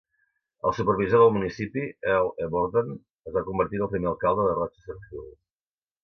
El supervisor del municipi, Earl E. Borden, es va convertir en el primer alcalde de Rochester Hills.